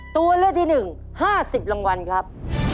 ตัวเลือกที่๑๕๐รางวัลครับ